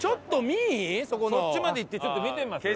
そっちまで行ってちょっと見てみます？